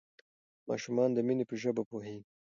ماشومان د مینې په ژبه پوهیږي.